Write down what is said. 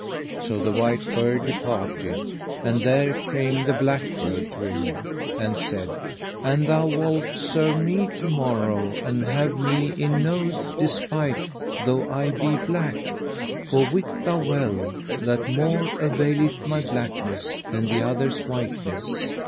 So the white bird departed, and there came the black bird to him, and said: An thou wolt, serve me to morrow and have me in no despite though I be black, for wit thou well that more availeth my blackness than the other's whiteness.